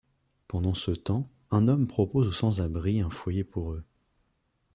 Pendant ce temps un homme propose aux sans abri un foyer pour eux.